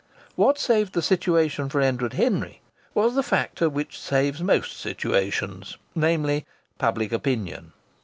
What saved the situation for Edward Henry was the factor which saves most situations namely, public opinion.